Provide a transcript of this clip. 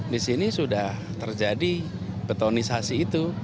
di sini sudah terjadi betonisasi itu